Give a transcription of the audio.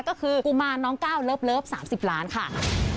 ก็คือกุมารน้องก้าวเลิฟ๓๐ล้านค่ะ